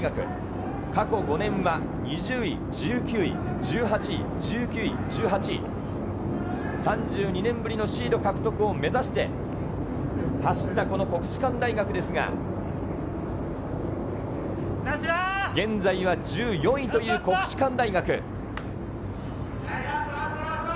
過去５年は２０位、１９位、１８位、１９位、１８位、３２年ぶりのシード獲得を目指して走った国士舘大学ですが、現在１４位という国士舘大学。